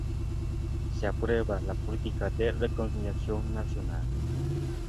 Especialmente la última, que cosechó una protesta de varios historiadores británicos.